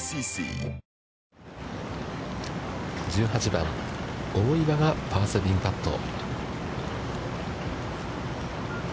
１８番、大岩がパーセービングパット。